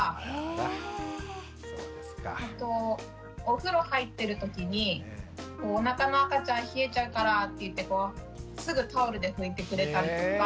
あとお風呂入ってるときに「おなかの赤ちゃん冷えちゃうから」ってすぐタオルで拭いてくれたりとか。